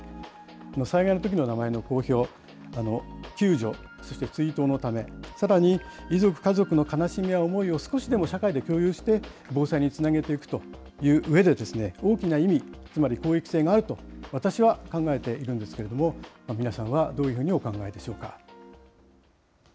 災害のときの名前の公表、救助、そして追悼のため、さらに遺族・家族の悲しみや思いを少しでも社会で共有して防災につなげていくといううえで、大きな意味、つまり公益性があると、私は考えているんですけれども、皆さんはどういうふうにお考えでしょうか。